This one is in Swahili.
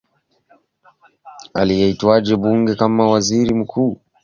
aliyetajwa na bunge kama waziri mkuu, na anasema yeye ndie msimamizi halali wa nchi hadi uchaguzi ufanyike